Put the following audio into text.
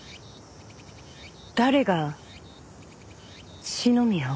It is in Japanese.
誰が篠宮を？